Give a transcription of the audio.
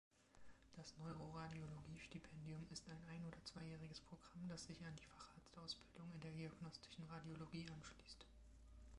Das Neuroradiologie-Stipendium ist ein ein- oder zweijähriges Programm, das sich an die Facharztausbildung in der diagnostischen Radiologie anschließt.